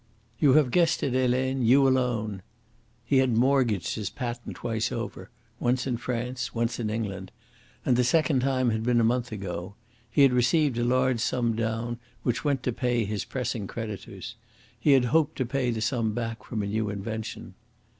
"You have guessed it, Helene you alone." He had mortgaged his patent twice over once in France, once in England and the second time had been a month ago. He had received a large sum down, which went to pay his pressing creditors. He had hoped to pay the sum back from a new invention.